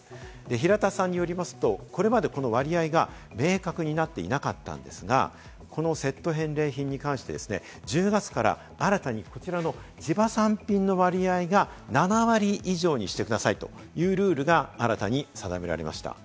平田さんによりますと、これまでこの割合が明確になっていなかったんですが、このセット返礼品に関して１０月から新たにこちらの地場産品の割合が７割以上にしてくださいというルールが新たに定められました。